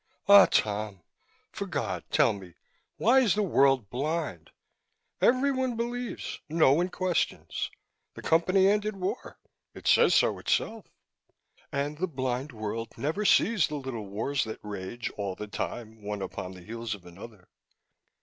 Ah, Tom! For God, tell me, why is the world blind? Everyone believes, no one questions. The Company ended war it says so itself. And the blind world never sees the little wars that rage, all the time, one upon the heels of another.